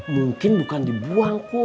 mungkin bukan dibuang